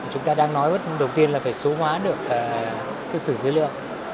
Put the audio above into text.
chúng ta đang nói đầu tiên là phải số hóa được sự dữ liệu